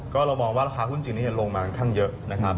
ก็เรามองว่าราคาหุ้นจริงนี้จะลงมากันขั้นเยอะนะครับ